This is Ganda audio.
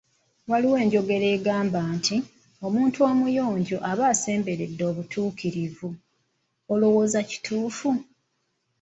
Waliwo enjogera egamba nti, omuntu omuyonjo aba asemberedde obutuukirivu , olowooza kituufu?